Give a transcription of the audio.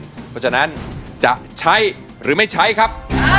เพราะฉะนั้นจะใช้หรือไม่ใช้ครับ